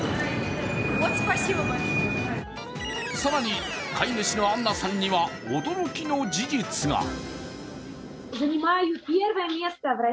更に、飼い主のアンナさんには驚きの事実が。